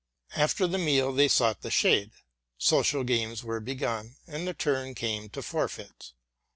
After the meal they sought the shade: social games were begun, and the turn came to forfeits.